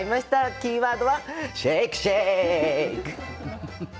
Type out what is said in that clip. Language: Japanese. キーワードはシェイクシェイク！